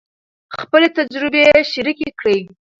خپلې تجربې شریکې کړئ.